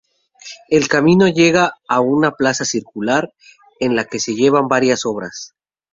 El camino llega a una plaza circular en la que se hallan varias obras.